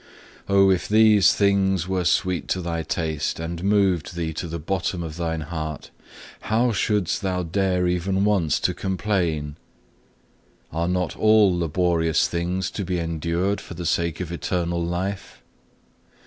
4. "Oh, if these things were sweet to thy taste, and moved thee to the bottom of thine heart, how shouldst thou dare even once to complain? Are not all laborious things to be endured for the sake of eternal life?